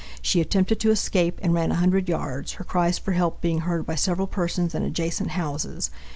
She attempted to escape and ran a hundred yards, her cries for help being heard by several persons in adjacent houses.